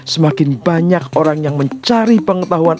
semakin banyak orang yang mencari pengetahuan